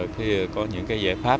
khi có những giải pháp